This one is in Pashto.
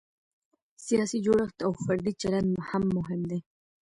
سیاسي جوړښت او فردي چلند هم مهم دی.